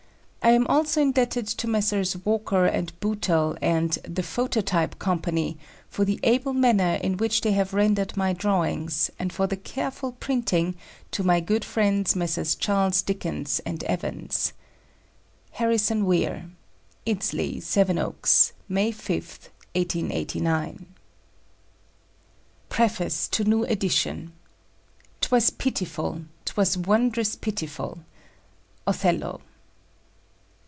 I am also indebted to Messrs. Walker & Boutal, and The Phototype Company, for the able manner in which they have rendered my drawings; and for the careful printing, to my good friends Messrs. Charles Dickens & Evans. HARRISON WEIR. "IDDESLEIGH," SEVENOAKS, May 5_th_, 1889. PREFACE TO NEW EDITION. "'Twas pitiful, 'twas wondrous pitiful." _Othello.